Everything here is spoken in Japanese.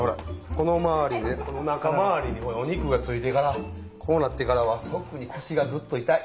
このまわりねおなかまわりにお肉がついてからこうなってからは特に腰がずっと痛い！